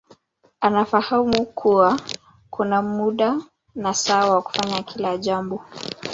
Anafahamu kuwa kuna muda na saa wa kufanya kila jambo